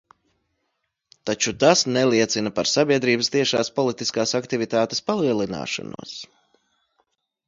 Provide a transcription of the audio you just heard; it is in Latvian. Taču tas neliecina par sabiedrības tiešās politiskās aktivitātes palielināšanos.